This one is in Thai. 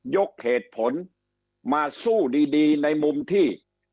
ยกเหตุผลมาสู้ดีในมุมที่